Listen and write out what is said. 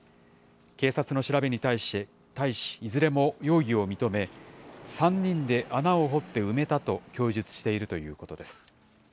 警察の調べに対し、いずれも容疑を認め、３人で穴を掘って埋めたと供述しているということです。